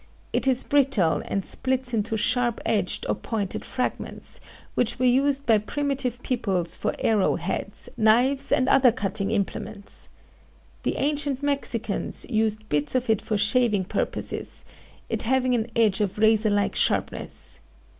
It is brittle, and splits into sharp edged or pointed fragments, which were used by primitive peoples for arrow heads, knives and other cutting implements. The ancient Mexicans used bits of it for shaving purposes, it having an edge of razor like sharpness.